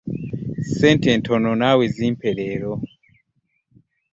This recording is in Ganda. Ssente ntono naawe zimpe leero.